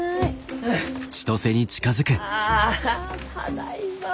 ああただいま！